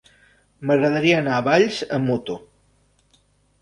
M'agradaria anar a Valls amb moto.